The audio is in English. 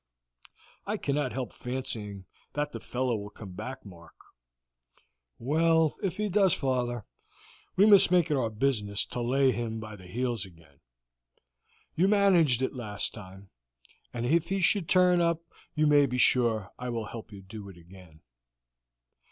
"I cannot help fancying that the fellow will come back, Mark." "Well, if he does, father, we must make it our business to lay him by the heels again. You managed it last time, and if he should turn up you may be sure I will help you to do it again."